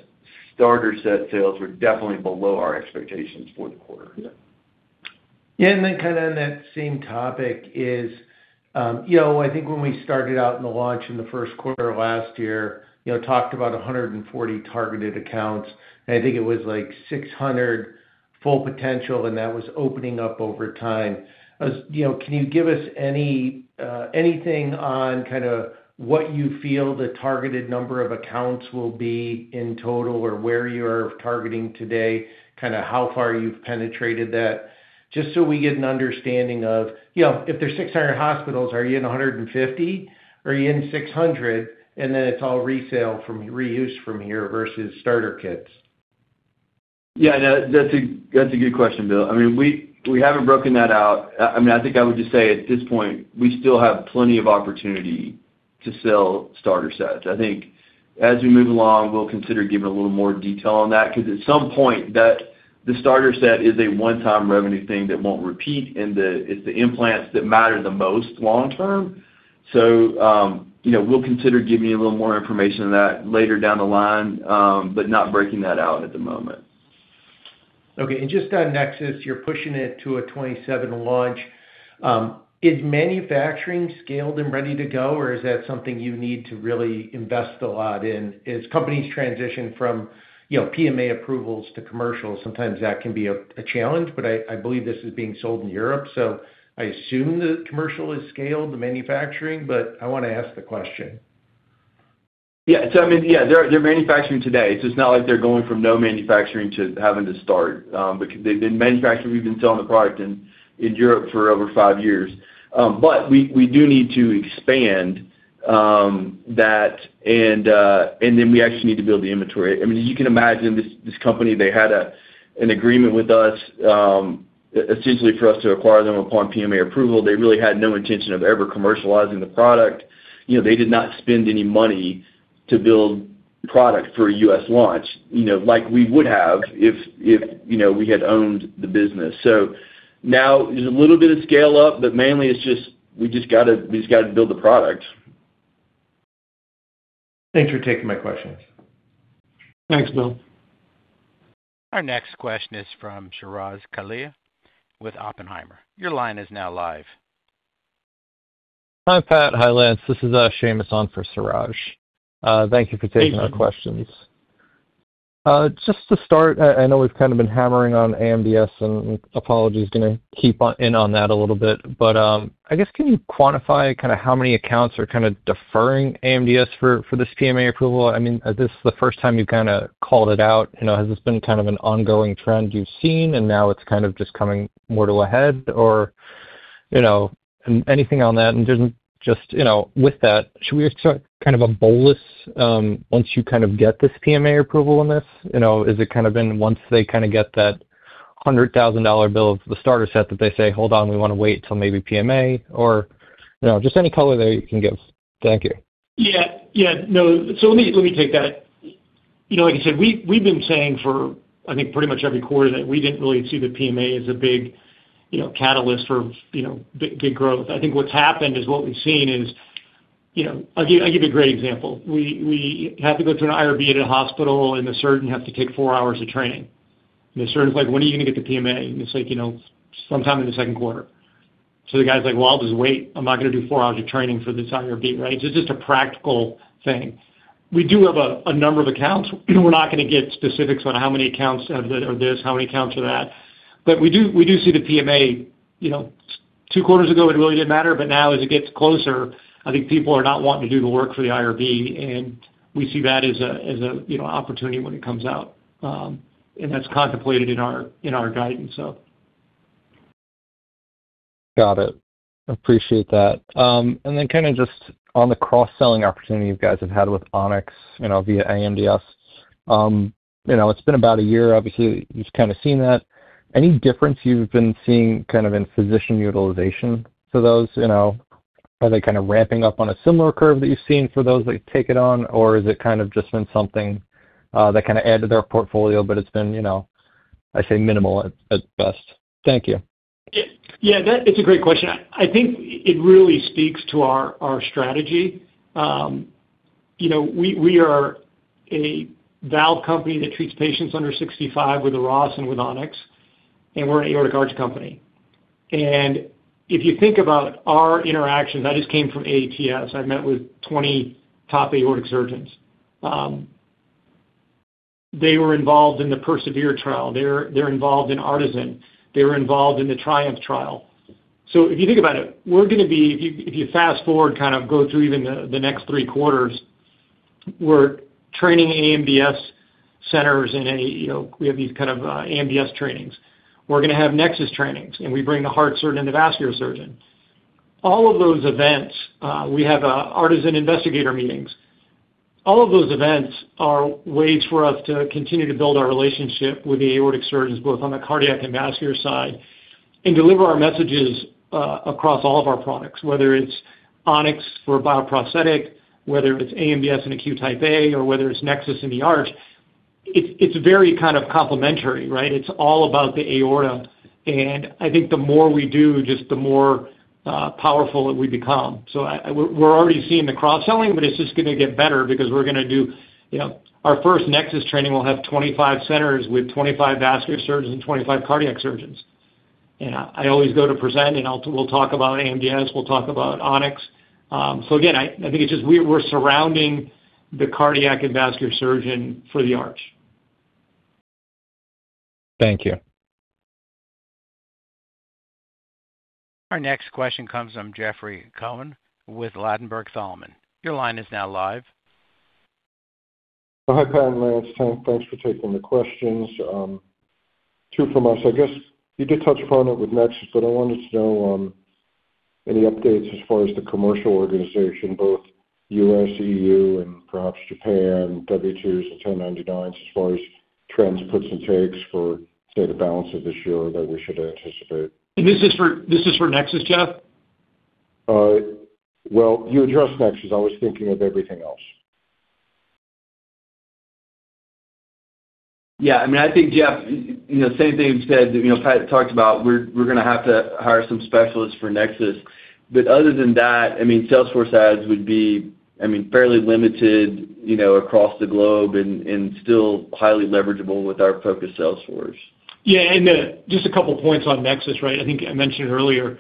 S4: starter set sales were definitely below our expectations for the quarter.
S3: Yeah.
S7: Yeah. Then kind of on that same topic is, you know, I think when we started out in the launch in the first quarter of last year, you know, talked about 140 targeted accounts, and I think it was like 600 full potential, and that was opening up over time. You know, can you give us any anything on kind of what you feel the targeted number of accounts will be in total or where you are targeting today, kind of how far you've penetrated that? Just so we get an understanding of, you know, if there's 600 hospitals, are you in 150? Are you in 600, and then it's all resell from reuse from here versus starter kits?
S4: Yeah. No, that's a good question, Bill. I mean, we haven't broken that out. I mean, I think I would just say at this point, we still have plenty of opportunity to sell starter sets. I think as we move along, we'll consider giving a little more detail on that because at some point that the starter set is a one-time revenue thing that won't repeat, and it's the implants that matter the most long term. You know, we'll consider giving you a little more information on that later down the line, but not breaking that out at the moment.
S7: Okay. Just on NEXUS, you're pushing it to a 27 launch. Is manufacturing scaled and ready to go, or is that something you need to really invest a lot in? As companies transition from, you know, PMA approvals to commercial, sometimes that can be a challenge, but I believe this is being sold in Europe, so I assume the commercial is scaled, the manufacturing, but I wanna ask the question.
S4: Yeah. I mean, yeah, they're manufacturing today, so it's not like they're going from no manufacturing to having to start. Because they've been manufacturing, we've been selling the product in Europe for over five years. We do need to expand that and then we actually need to build the inventory. I mean, as you can imagine, this company, they had an agreement with us, essentially for us to acquire them upon PMA approval. They really had no intention of ever commercializing the product. You know, they did not spend any money to build product for a U.S. launch, you know, like we would have if we had owned the business. Now there's a little bit of scale up, but mainly it's just we just gotta build the product.
S7: Thanks for taking my questions.
S3: Thanks, Bill.
S1: Our next question is from Suraj Kalia with Oppenheimer. Your line is now live.
S8: Hi, Pat. Hi, Lance. This is Shaymus on for Suraj. Thank you for taking our questions.
S3: Thanks, man.
S8: Just to start, I know we've kind of been hammering on AMDS, and apologies going to keep on in on that a little bit. I guess, can you quantify kind of how many accounts are kind of deferring AMDS for this PMA approval? I mean, this is the first time you kind of called it out. You know, has this been kind of an ongoing trend you've seen and now it's kind of just coming more to a head? You know, anything on that? Just, you know, with that, should we expect kind of a bolus, once you kind of get this PMA approval on this? You know, is it kind of been once they kind of get that $100,000 bill of the starter set that they say, "Hold on, we wanna wait till maybe PMA," or, you know, just any color there you can give. Thank you.
S3: Yeah. Yeah, no. Let me take that. You know, like I said, we've been saying for, I think pretty much every quarter that we didn't really see the PMA as a big, you know, catalyst for, you know, big growth. I think what's happened is what we've seen is, you know I'll give you a great example. We have to go through an IRB at a hospital, and the surgeon has to take four hours of training. The surgeon's like, "When are you gonna get the PMA?" And it's like, you know, sometime in the second quarter. The guy's like, "Well, I'll just wait. I'm not gonna do four hours of training for this IRB," right? It's just a practical thing. We do have a number of accounts. We're not gonna get specifics on how many accounts have that are this, how many accounts are that. We do see the PMA, you know, two quarters ago, it really didn't matter. Now as it gets closer, I think people are not wanting to do the work for the IRB, and we see that as a, you know, opportunity when it comes out. That's contemplated in our guidance.
S8: Got it. Appreciate that. Kind of just on the cross-selling opportunity you guys have had with On-X, you know, via AMDS. You know, it's been about a year, obviously, you've kind of seen that. Any difference you've been seeing kind of in physician utilization for those, you know? Are they kind of ramping up on a similar curve that you've seen for those that take it on? Has it kind of just been something that kind of add to their portfolio, but it's been, you know, I say minimal at best. Thank you.
S3: Yeah. Yeah, that it's a great question. I think it really speaks to our strategy. You know, we are a valve company that treats patients under 65 with the Ross and with On-X, and we're an aortic arch company. If you think about our interactions, I just came from ATS. I met with 20 top aortic surgeons. They were involved in the PERSEVERE trial. They're involved in ARTIZEN. They were involved in the TRIOMPHE trial. If you think about it, we're gonna be if you fast-forward, kind of go through even the next three quarters, we're training AMDS centers in a, you know, we have these kind of AMDS trainings. We're gonna have NEXUS trainings, and we bring the heart surgeon and the vascular surgeon. All of those events, we have ARTIZEN investigator meetings. All of those events are ways for us to continue to build our relationship with the aortic surgeons, both on the cardiac and vascular side, and deliver our messages across all of our products, whether it's On-X for a bioprosthetic, whether it's AMDS in acute type A or whether it's NEXUS in the arch. It's very kind of complementary, right? It's all about the aorta. I think the more we do, just the more powerful that we become. We're already seeing the cross-selling, but it's just gonna get better because we're gonna do, you know, our first NEXUS training will have 25 centers with 25 vascular surgeons and 25 cardiac surgeons. I always go to present, and we'll talk about AMDS, we'll talk about On-X. Again, I think it's just we're surrounding the cardiac and vascular surgeon for the arch.
S8: Thank you.
S1: Our next question comes from Jeffrey Cohen with Ladenburg Thalmann. Your line is now live.
S9: Hi, Pat and Lance. Thanks for taking the questions. Two from us. I guess you did touch upon it with NEXUS, but I wanted to know any updates as far as the commercial organization, both U.S., EU and perhaps Japan, W-2s and 1099s as far as trends, puts and takes for, say, the balance of this year that we should anticipate.
S3: This is for NEXUS, Jeff?
S9: Well, you addressed NEXUS. I was thinking of everything else.
S4: Yeah. I mean, I think, Jeff, you know, same thing as said, you know, Pat talked about, we're gonna have to hire some specialists for NEXUS. Other than that, I mean, salesforce ads would be, I mean, fairly limited, you know, across the globe and still highly leverageable with our focused salesforce.
S3: Yeah. Just a couple points on NEXUS, right? I think I mentioned earlier,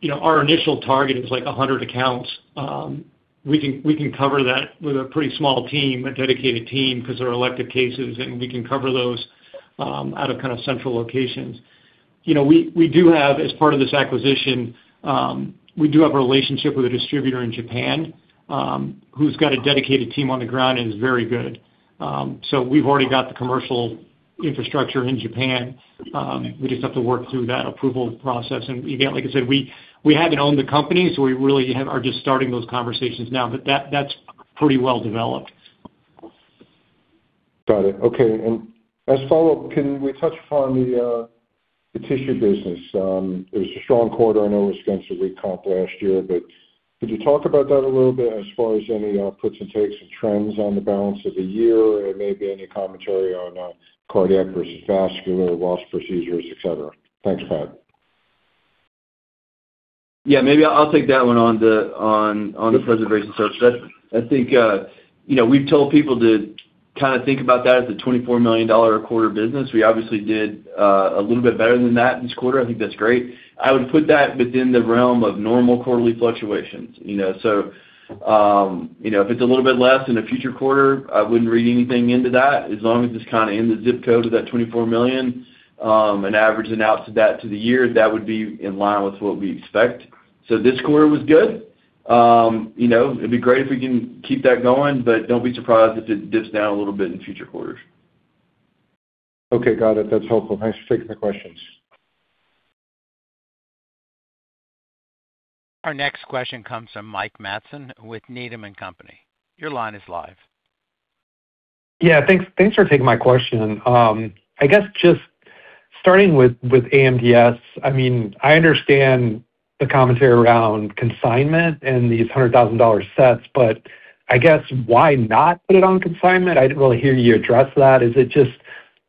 S3: you know, our initial target is like a hundred accounts. We can cover that with a pretty small team, a dedicated team, 'cause they're elective cases, and we can cover those out of kind of central locations. You know, we do have as part of this acquisition, we do have a relationship with a distributor in Japan, who's got a dedicated team on the ground and is very good. We've already got the commercial infrastructure in Japan, we just have to work through that approval process. Again, like I said, we haven't owned the company, so we really are just starting those conversations now, but that's pretty well-developed.
S9: Got it. Okay. As follow-up, can we touch upon the tissue business? It was a strong quarter. I know it was against a weak comp last year, but could you talk about that a little bit as far as any puts and takes and trends on the balance of the year or maybe any commentary on cardiac versus vascular, lost procedures, et cetera? Thanks, Pat.
S4: Maybe I'll take that one on the preservation business. I think, you know, we've told people to kinda think about that as a $24 million a quarter business. We obviously did a little bit better than that this quarter. I think that's great. I would put that within the realm of normal quarterly fluctuations, you know? You know, if it's a little bit less in a future quarter, I wouldn't read anything into that. As long as it's kinda in the zip code of that $24 million and averaging out to that to the year, that would be in line with what we expect. This quarter was good. You know, it'd be great if we can keep that going, don't be surprised if it dips down a little bit in future quarters.
S9: Okay. Got it. That is helpful. Thanks for taking the questions.
S1: Our next question comes from Mike Matson with Needham & Company. Your line is live.
S10: Thanks for taking my question. I guess just starting with AMDS, I mean, I understand the commentary around consignment and these $100,000 sets, but I guess why not put it on consignment? I didn't really hear you address that. Is it just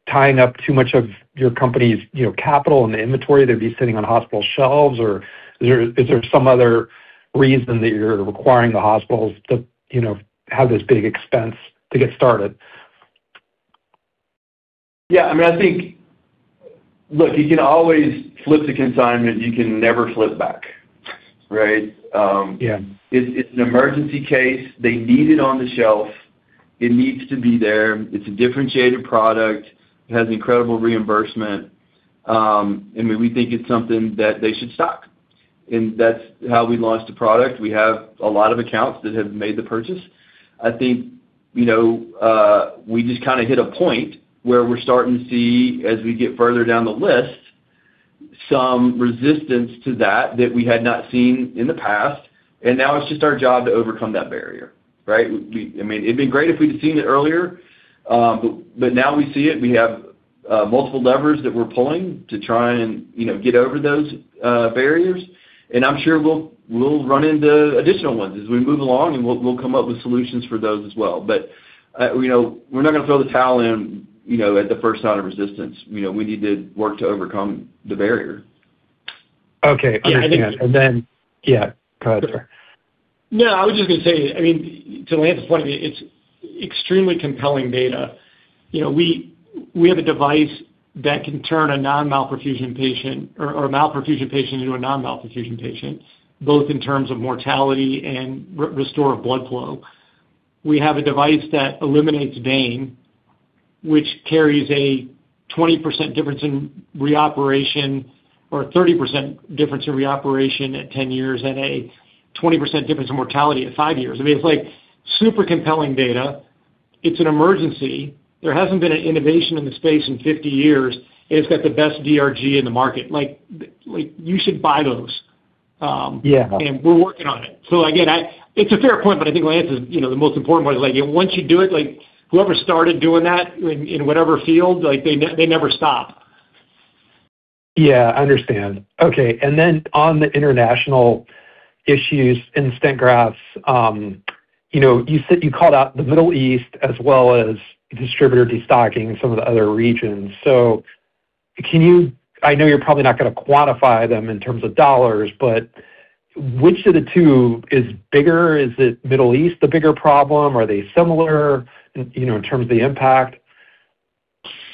S10: tying up too much of your company's, you know, capital and the inventory that would be sitting on hospital shelves? Or is there some other reason that you're requiring the hospitals to, you know, have this big expense to get started?
S4: Yeah, I mean, I think look, you can always flip to consignment, you can never flip back. Right?
S10: Yeah.
S4: It's an emergency case. They need it on the shelf. It needs to be there. It's a differentiated product. It has incredible reimbursement. I mean, we think it's something that they should stock, and that's how we launched the product. We have a lot of accounts that have made the purchase. I think, you know, we just kinda hit a point where we're starting to see, as we get further down the list, some resistance to that we had not seen in the past, and now it's just our job to overcome that barrier, right? I mean, it'd been great if we'd have seen it earlier, but now we see it. We have multiple levers that we're pulling to try and, you know, get over those barriers. I'm sure we'll run into additional ones as we move along, and we'll come up with solutions for those as well. You know, we're not gonna throw the towel in, you know, at the first sign of resistance. You know, we need to work to overcome the barrier.
S10: Okay. Understand.
S3: Yeah, I think-
S10: Yeah, go ahead, sorry.
S3: No, I was just gonna say, I mean, to Lance's point, it's extremely compelling data. You know, we have a device that can turn a non-malperfusion patient or a malperfusion patient into a non-malperfusion patient, both in terms of mortality and restore blood flow. We have a device that eliminates vein, which carries a 20% difference in reoperation or a 30% difference in reoperation at 10 years and a 20% difference in mortality at five years. I mean, it's like super compelling data. It's an emergency. There hasn't been an innovation in the space in 50 years. It's got the best DRG in the market. Like you should buy those.
S10: Yeah.
S3: We're working on it. again, it's a fair point, but I think Lance is, you know, the most important one, is like, you know, once you do it, like whoever started doing that in whatever field, like they never stop.
S10: Yeah, I understand. Okay. then on the international issues in stent grafts, you know, you said you called out the Middle East as well as distributor destocking in some of the other regions. can you I know you're probably not gonna quantify them in terms of dollars, but which of the two is bigger? Is it Middle East the bigger problem? Are they similar, you know, in terms of the impact?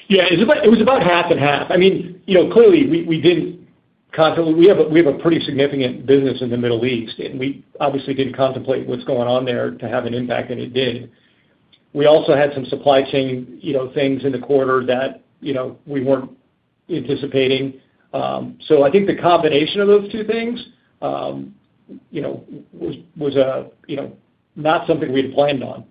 S3: Yeah. It was about half and half. I mean, you know, clearly, we have a pretty significant business in the Middle East, and we obviously didn't contemplate what's going on there to have an impact, and it did. We also had some supply chain, you know, things in the quarter that, you know, we weren't anticipating. I think the combination of those two things, you know, was, you know, not something we had planned on.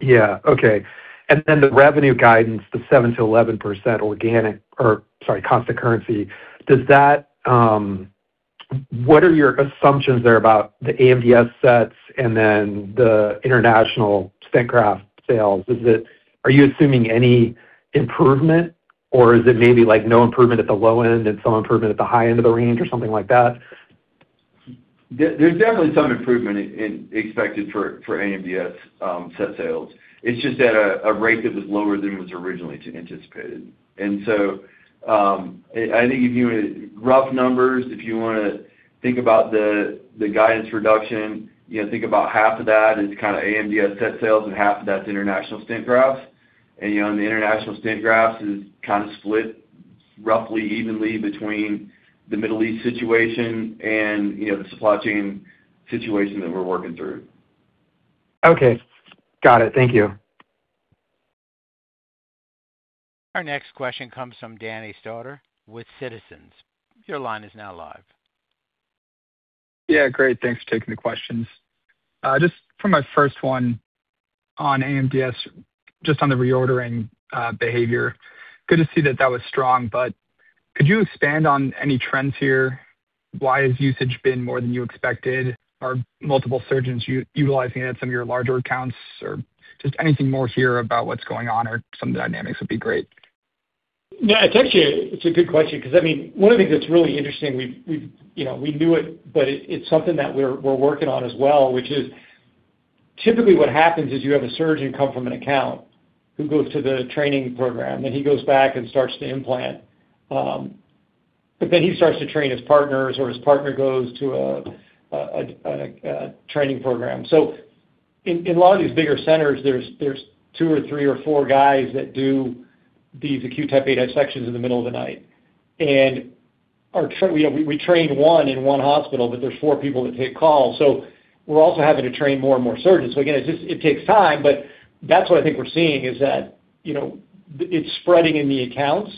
S10: Yeah. Okay. The revenue guidance, the 7%-11% organic, or sorry, constant currency. Does that? What are your assumptions there about the AMDS sets and then the international stent graft sales? Are you assuming any improvement or is it maybe like no improvement at the low end and some improvement at the high end of the range or something like that?
S4: There's definitely some improvement in expected for AMDS set sales. It's just at a rate that was lower than was originally anticipated. I think if you rough numbers, if you wanna think about the guidance reduction, you know, think about half of that is kinda AMDS set sales and half of that's international stent grafts. On the international stent grafts is kinda split roughly evenly between the Middle East situation and, you know, the supply chain situation that we're working through.
S10: Okay. Got it. Thank you.
S1: Our next question comes from Danny Stauder with Citizens. Your line is now live.
S11: Yeah, great. Thanks for taking the questions. Just for my first one on AMDS, just on the reordering behavior. Good to see that that was strong, but could you expand on any trends here? Why has usage been more than you expected? Are multiple surgeons utilizing it at some of your larger accounts? Just anything more here about what's going on or some of the dynamics would be great.
S3: Yeah, it's actually a good question because, I mean, one of the things that's really interesting, we've, you know, we knew it, but it's something that we're working on as well, which is typically what happens is you have a surgeon come from an account who goes to the training program, and he goes back and starts to implant. But then he starts to train his partners or his partner goes to a training program. In a lot of these bigger centers, there's two or three or four guys that do the acute type aorta dissections in the middle of the night. We train one in one hospital, but there's four people that take calls. We're also having to train more and more surgeons. Again, it takes time, but that's what I think we're seeing is that, you know, it's spreading in the accounts.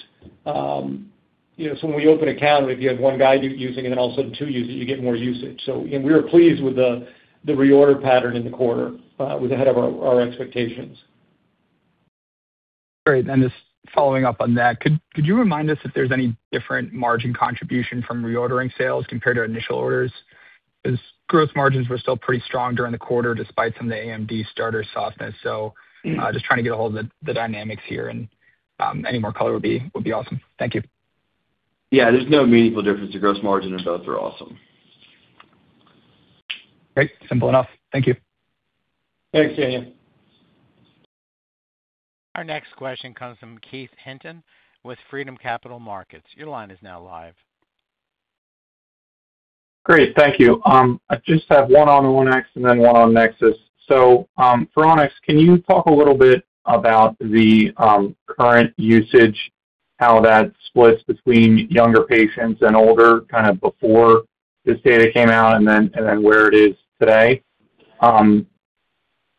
S3: You know, when we open an account, if you have one guy using it and all of a sudden two using it, you get more usage. Again, we were pleased with the reorder pattern in the quarter. It was ahead of our expectations.
S11: Great. Just following up on that, could you remind us if there's any different margin contribution from reordering sales compared to initial orders? Because gross margins were still pretty strong during the quarter despite some of the AMDS starter softness. Just trying to get a hold of the dynamics here and any more color would be awesome. Thank you.
S4: Yeah, there's no meaningful difference to gross margin and both are awesome.
S11: Great. Simple enough. Thank you.
S3: Thanks, Danny.
S1: Our next question comes from Keith Hinton with Freedom Capital Markets. Your line is now live.
S12: Great. Thank you. I just have one on On-X and then one on NEXUS. For On-X, can you talk a little bit about the current usage, how that splits between younger patients and older, kind of before this data came out and then where it is today?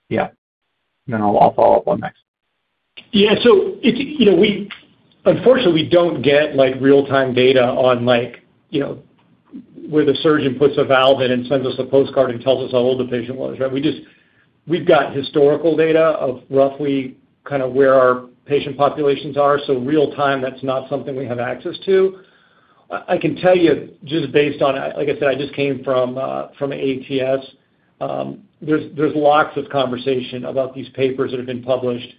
S12: Yeah. I'll follow up on NEXUS.
S3: Yeah. It's you know, we unfortunately don't get like real-time data on like, you know, where the surgeon puts a valve in and sends us a postcard and tells us how old the patient was, right? We just we've got historical data of roughly kind of where our patient populations are. Real time, that's not something we have access to. I can tell you just based on, like I said, I just came from ATS. There's lots of conversation about these papers that have been published,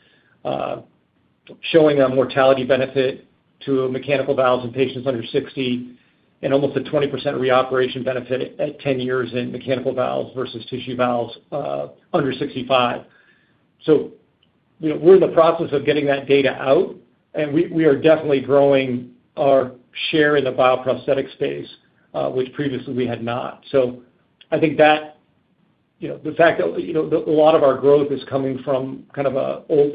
S3: showing a mortality benefit to mechanical valves in patients under 60 and almost a 20% reoperation benefit at 10 years in mechanical valves versus tissue valves, under 65. You know, we're in the process of getting that data out, and we are definitely growing our share in the bioprosthetic space, which previously we had not. I think that, you know, the fact that, you know, a lot of our growth is coming from kind of a old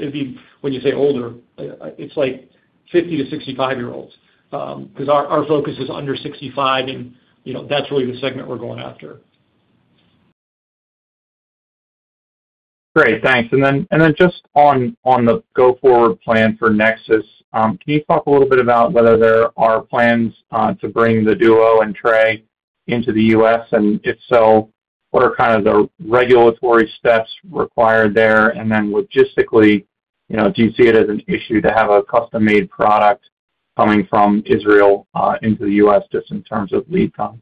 S3: when you say older, it's like 50 to 65-year-olds. Because our focus is under 65 and, you know, that's really the segment we're going after.
S12: Great, thanks. Just on the go-forward plan for NEXUS, can you talk a little bit about whether there are plans to bring the DUO and TRE into the U.S.? If so, what are kind of the regulatory steps required there? Logistically, you know, do you see it as an issue to have a custom-made product coming from Israel into the U.S. just in terms of lead times?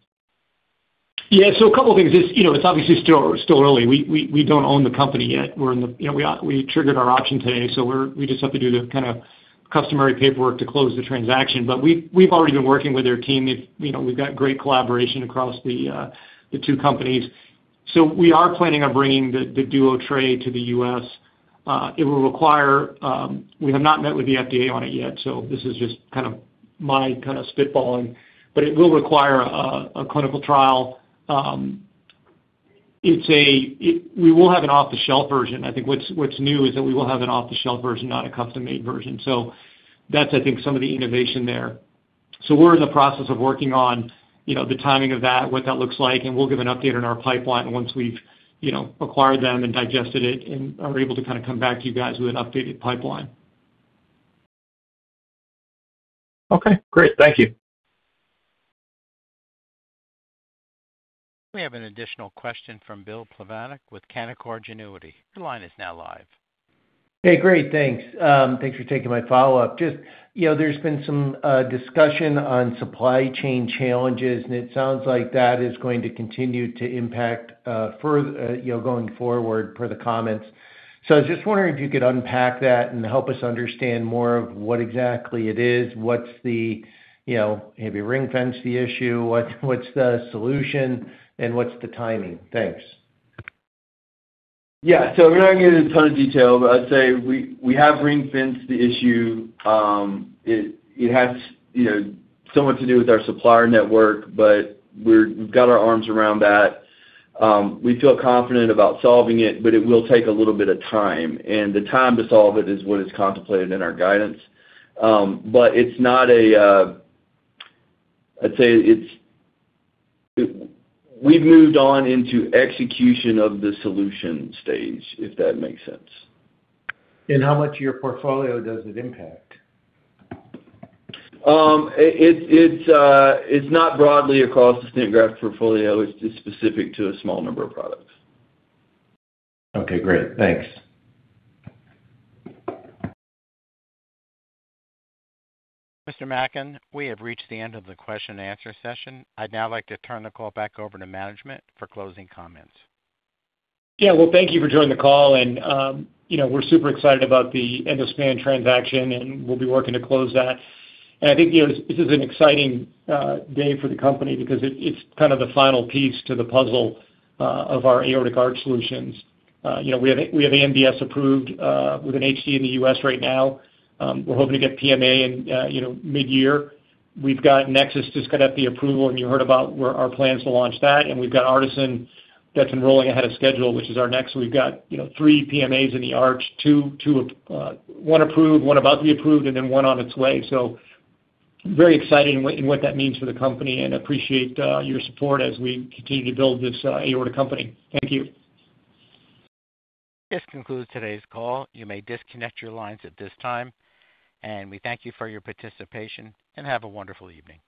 S3: Yeah. A couple of things. It's, you know, it's obviously still early. We don't own the company yet. We're in the, you know, we triggered our option today, so we just have to do the kind of customary paperwork to close the transaction. We've already been working with their team. You know, we've got great collaboration across the two companies. We are planning on bringing the DUO, TRE to the U.S. It will require a clinical trial. We have not met with the FDA on it yet, so this is just kind of my kind of spitballing, but it will require a clinical trial. We will have an off-the-shelf version. I think what's new is that we will have an off-the-shelf version, not a custom-made version. That's, I think, some of the innovation there. We're in the process of working on, you know, the timing of that, what that looks like, and we'll give an update on our pipeline once we've, you know, acquired them and digested it and are able to kind of come back to you guys with an updated pipeline.
S12: Okay, great. Thank you.
S1: We have an additional question from Bill Plovanic with Canaccord Genuity. Your line is now live.
S7: Hey, great. Thanks. Thanks for taking my follow-up. Just, you know, there's been some discussion on supply chain challenges, and it sounds like that is going to continue to impact, you know, going forward per the comments. I was just wondering if you could unpack that and help us understand more of what exactly it is. What's the, you know, maybe ring-fence the issue. What's the solution, and what's the timing? Thanks.
S4: Yeah. We're not gonna get into a ton of detail, but I'd say we have ring-fenced the issue. It has, you know, somewhat to do with our supplier network, but we've got our arms around that. We feel confident about solving it, but it will take a little bit of time, and the time to solve it is what is contemplated in our guidance. I'd say we've moved on into execution of the solution stage, if that makes sense.
S7: How much of your portfolio does it impact?
S4: It's not broadly across the stent graft portfolio. It's just specific to a small number of products.
S7: Okay, great. Thanks.
S1: Mr. Mackin, we have reached the end of the question and answer session. I'd now like to turn the call back over to management for closing comments.
S3: Well, thank you for joining the call and, you know, we're super excited about the Endospan transaction, and we'll be working to close that. I think, you know, this is an exciting day for the company because it's kind of the final piece to the puzzle of our aortic arch solutions. You know, we have AMDS approved with an HDE in the U.S. right now. We're hoping to get PMA in, you know, mid-year. We've got NEXUS just got FDA approval, and you heard about where our plans to launch that. We've got ARTIZEN that's enrolling ahead of schedule, which is our next. We've got, you know, three PMAs in the arch, two, one approved, one about to be approved, and then one on its way. Very exciting in what that means for the company and appreciate your support as we continue to build this aorta company. Thank you.
S1: This concludes today's call. You may disconnect your lines at this time, and we thank you for your participation and have a wonderful evening.